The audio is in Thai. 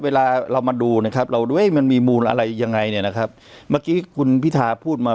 เวลาเรามาดูนะครับเราด้วยมันมีมูลอะไรยังไงเนี่ยนะครับเมื่อกี้คุณพิธาพูดมา